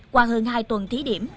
qua hơn hai tuần thí điểm